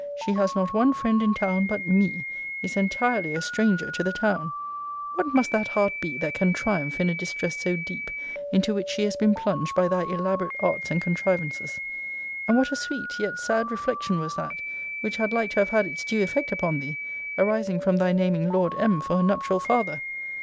She has not one friend in town but ME is entirely a stranger to the town.'* What must that heart be that can triumph in a distress so deep, into which she has been plunged by thy elaborate arts and contrivances? And what a sweet, yet sad reflection was that, which had like to have had its due effect upon thee, arising from thy naming Lord M. for her nuptial father?